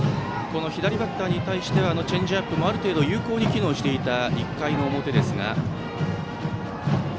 この左バッターに対してはチェンジアップもある程度、有効に機能していた１回の表ですが。